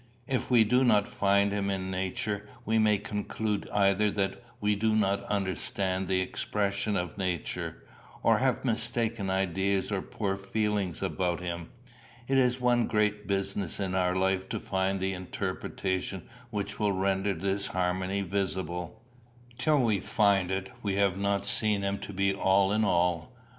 If we do not find him in nature, we may conclude either that we do not understand the expression of nature, or have mistaken ideas or poor feelings about him. It is one great business in our life to find the interpretation which will render this harmony visible. Till we find it, we have not seen him to be all in all.